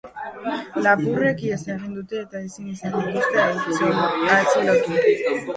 Lapurrek ihes egin dute eta ezin izan dituzte atxilotu.